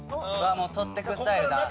取ってくスタイルだ。